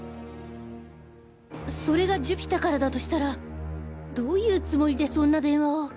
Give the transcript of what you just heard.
それが寿飛太からだとしたらどういうつもりでそんな電話を。